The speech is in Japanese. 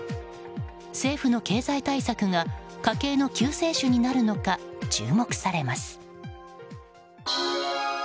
政府の経済対策が家計の救世主になるのか注目されます。